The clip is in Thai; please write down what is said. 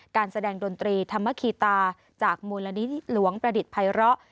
การแสดงดนตรีธรรมคีตาจากมูลนิธิหลวงประดิษฐ์ภัยเลาะ